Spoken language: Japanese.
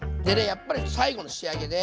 やっぱり最後の仕上げで。